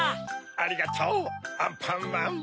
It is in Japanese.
ありがとうアンパンマン。